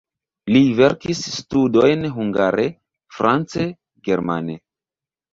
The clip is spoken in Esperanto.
Li verkis studojn hungare, france, germane.